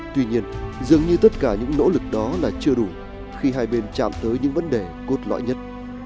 tuy nhiên dường như tất cả những nỗ lực đó là chưa đủ khi hai bên chạm tới những vấn đề cốt lõi nhất